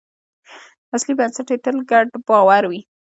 اصلي بنسټ یې تل ګډ باور وي.